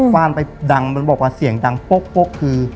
ว่านไปดังมันบอกว่าเสียงดังโป๊กคือ